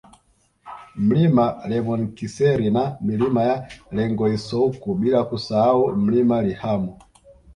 Mlima Lemonkiseri na Milima ya Lengoisoiku bila kusahau Mlima Lihamo